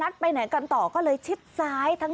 คุณผู้หญิงเสื้อสีขาวเจ้าของรถที่ถูกชน